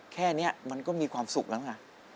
แค่นี้มันก็มีความสุขแล้วไง